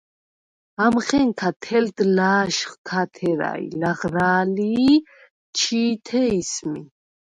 ამხენქა თელდ ლა̄შხ ქა თერა ი ლაღრა̄ლი̄ ჩი̄თე ისმი.